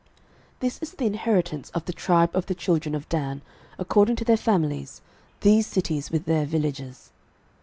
06:019:048 This is the inheritance of the tribe of the children of Dan according to their families, these cities with their villages.